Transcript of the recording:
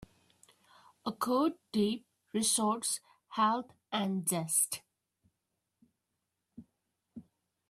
A cold dip restores health and zest.